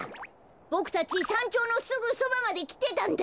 ボクたちさんちょうのすぐそばまできてたんだ。